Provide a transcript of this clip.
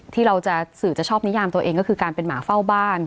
ที่เราจะสื่อจะชอบนิยามตัวเองก็คือการเป็นหมาเฝ้าบ้าน